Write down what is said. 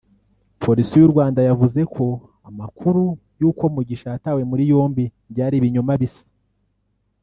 Polisi y’u Rwanda yavuze ko amakuru y’uko Mugisha yatawe muri yombi ari ‘ibinyoma bisa